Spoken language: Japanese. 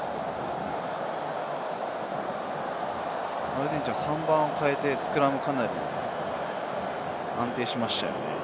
アルゼンチンは３番を代えて、スクラムがかなり安定しましたね。